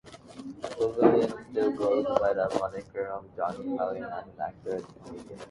Sullivan still goes by the moniker of Johnny Valiant as an actor and comedian.